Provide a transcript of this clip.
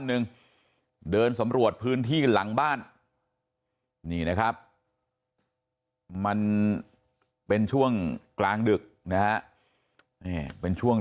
นึงเดินสำรวจพื้นที่หลังบ้านมันเป็นช่วงกลางดึกนะเป็นช่วง